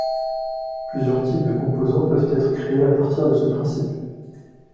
Plusieurs types de composants peuvent être créés à partir de ce principe.